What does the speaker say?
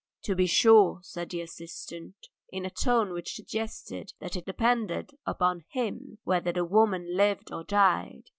"To be sure," said the assistant, in a tone which suggested that it depended upon him whether the woman lived or died.